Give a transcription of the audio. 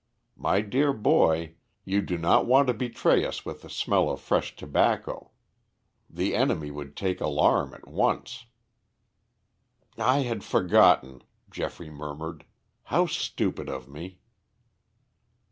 My dear boy, you do not want to betray us with the smell of fresh tobacco. The enemy would take alarm at once." "I had forgotten," Geoffrey murmured. "How stupid of me!"